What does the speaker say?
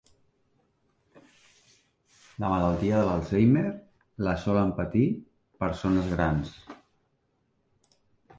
La malaltia de l'Alzheimer la solen patir persones grans.